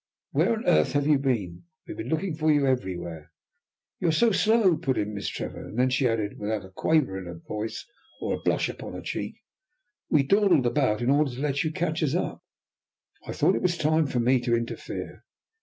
"Where on earth have you been? We have been looking for you everywhere!" "You are so slow," put in Miss Trevor, and then she added, without a quaver in her voice or blush upon her cheek, "We dawdled about in order to let you catch us up." I thought it was time for me to interfere.